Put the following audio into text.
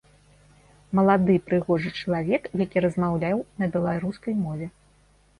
Малады, прыгожы чалавек, які размаўляў на беларускай мове.